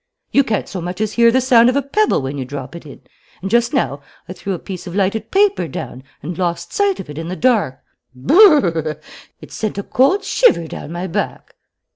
You can't so much as hear the sound of a pebble when you drop it in; and just now I threw a piece of lighted paper down and lost sight of it in the dark. Brrrr! It sent a cold shiver down my back!